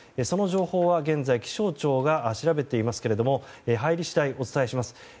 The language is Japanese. その情報は現在、気象庁が調べていますけれど入り次第お伝えします。